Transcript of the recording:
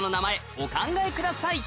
お考えください